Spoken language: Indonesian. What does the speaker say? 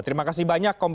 terima kasih banyak